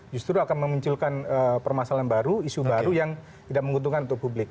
justru akan memunculkan permasalahan baru isu baru yang tidak menguntungkan untuk publik